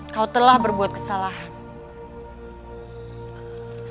kau telah berbuat kesalahan